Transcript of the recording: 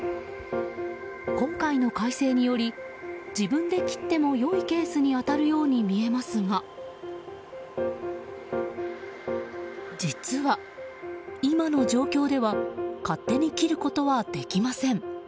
今回の改正により自分で切ってもよいケースに当たるように見えますが実は、今の状況では勝手に切ることはできません。